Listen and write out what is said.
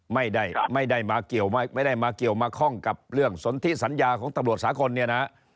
ไม่ได้มาเกี่ยวมาคล่องกับเรื่องสนที่สัญญาของตำรวจสากลเนี่ยนะ